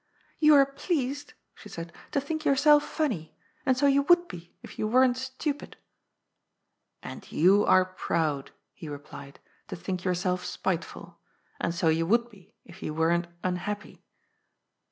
163 *^ Yon are pleased," she said, ^^ to think yourself fanny. And so you would be, if you weren't stupid." " And you are proud," he replied, " to think yourself spiteful. And so you would be, if you weren't unhappy."